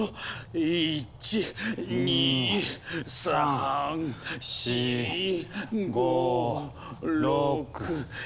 １・２・３・４・５・６・７・８。